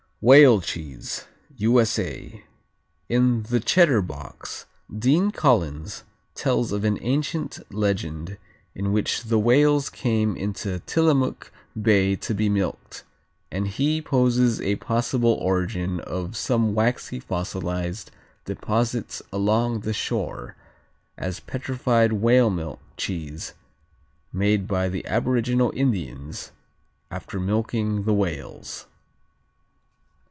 Whale Cheese U.S.A. In _The Cheddar Box, _Dean Collins tells of an ancient legend in which the whales came into Tillamook Bay to be milked; and he poses the possible origin of some waxy fossilized deposits along the shore as petrified whale milk cheese made by the aboriginal Indians after milking the whales.